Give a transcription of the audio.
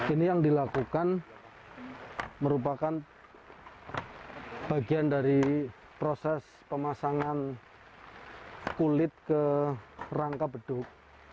ini yang dilakukan merupakan bagian dari proses pemasangan kulit ke rangka beduk